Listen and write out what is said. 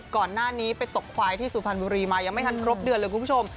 ก่อนหน้านี้ไปตกควายที่สุพรรณบุรีมายังไม่ทันครบเดือนเลยคุณผู้ชม